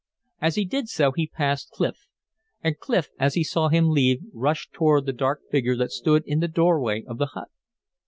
As he did so he passed Clif; and Clif, as he saw him leave rushed toward the dark figure that stood in the doorway of the hut.